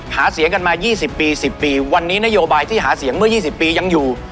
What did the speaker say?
หาเสียงกันมา๒๐ปี๑๐ปีวันนี้นโยบายที่หาเสียงเมื่อ๒๐ปียังอยู่